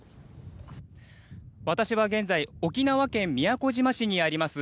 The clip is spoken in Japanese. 私は現在沖縄県宮古島市にあります